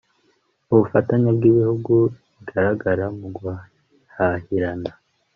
Ubufatanye bw ‘ibihugu bigaragara muguhahirana .